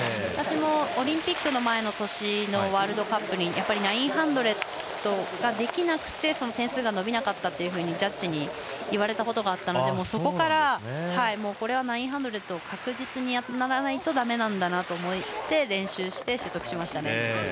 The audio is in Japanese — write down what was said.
私もオリンピックの前の年のワールドカップに９００ができなくて点数が伸びなかったとジャッジに言われたことがあったのでそこから、これは９００を確実にやらないとだめなんだなと思って、練習して習得しましたね。